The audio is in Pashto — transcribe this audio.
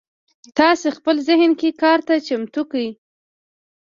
تاسې خپل ذهن دې کار ته چمتو کړئ.